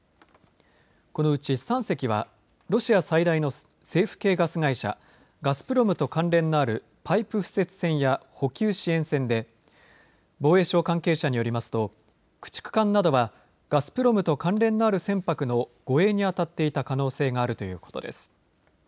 このうち３隻はロシア最大の政府系ガス会社ガスプロムと関連のあるパイプ敷設船や補給支援船で防衛省関係者によりますと駆逐艦などはガスプロムと関連のある船舶の護衛に当たっていた可能性があるということです。